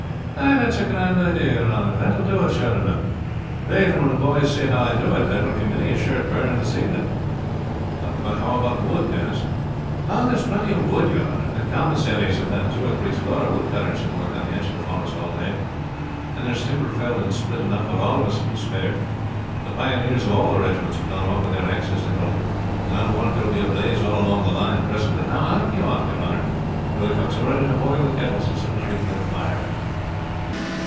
"That's a grand idea, your honor. That will do it, sure enough. Faith, and when the boys see how I do it, there will be many a shirt burned this evening." "But how about wood, Denis?" "There's plenty of wood, your honor. The commissaries have had two or three score of woodcutters at work on the edge of the forest all day, and there's timber felled and split enough for all of us and to spare. The pioneers of all the regiments have gone off with their axes to help, and I will warrant there will be a blaze all along the line presently. Now I will be off, your honor; for the cooks are ready to boil the kettles as soon as we can get a fire."